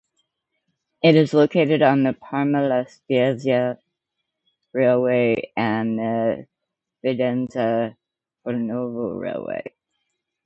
It is located on the Parma–La Spezia railway and the Fidenza–Fornovo railway.